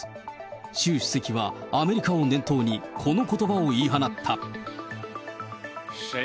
習主席はアメリカを念頭にこのことばを言い放った。